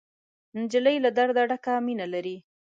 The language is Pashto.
نجلۍ له درده ډکه مینه لري.